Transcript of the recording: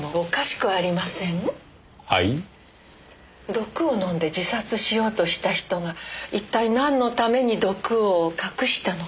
毒を飲んで自殺しようとした人が一体なんのために毒を隠したのか。